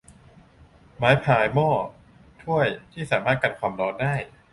ไม้พาย หม้อ ถ้วยที่สามารถกันความร้อนได้